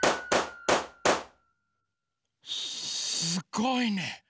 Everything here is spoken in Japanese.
すごいね。